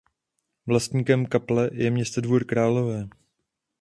Vlastníkem kaple je město Dvůr Králové.